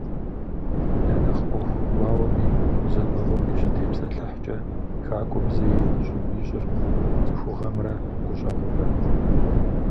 Я нэхъ ӏуэху гуауэми гузэвэгъуэми щытепсэлъыхькӏэ, тхакӏуэм зэи ӏэщӏыб ищӏыркъым цӏыхугъэмрэ гущӏэгъумрэ.